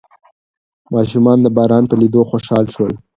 ماشومان د باران په لیدو خوشحال شول.